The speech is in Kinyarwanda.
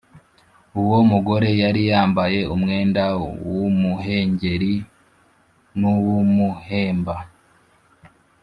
Uwo mugore yari yambaye umwenda w’umuhengeri n’uw’umuhemba.